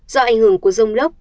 do ảnh hưởng của rồng lóc